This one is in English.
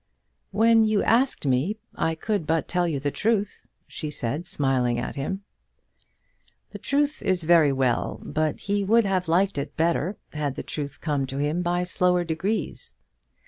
"When you asked me, I could but tell you the truth," she said, smiling at him. The truth is very well, but he would have liked it better had the truth come to him by slower degrees.